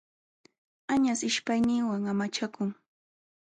Añaśh ishpayninwan amachakun.